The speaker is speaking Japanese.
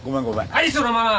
はいそのまま！